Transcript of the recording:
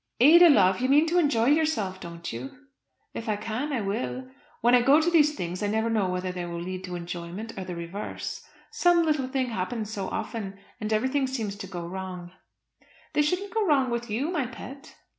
"Ada, love, you mean to enjoy yourself, don't you?" "If I can I will. When I go to these things I never know whether they will lead to enjoyment or the reverse. Some little thing happens so often, and everything seems to go wrong." "They shouldn't go wrong with you, my pet."